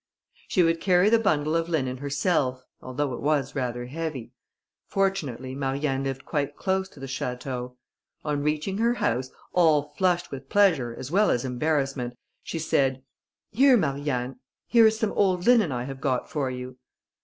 She would carry the bundle of linen herself, although it was rather heavy. Fortunately, Marianne lived quite close to the château. On reaching her house, all flushed with pleasure as well as embarrassment, she said, "Here, Marianne, here is some old linen I have got for you."